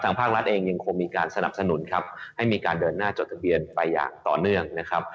ภาครัฐเองยังคงมีการสนับสนุนครับให้มีการเดินหน้าจดทะเบียนไปอย่างต่อเนื่องนะครับ